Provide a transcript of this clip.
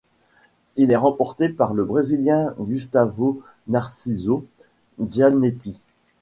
Il est remporté par le Brésilien Gustavo Narciso Gianetti.